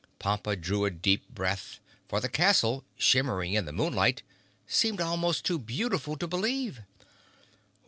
Pompa drew a deep breath, for the castle, shimmering in the moonlight, seemed almost too beautiful to believe.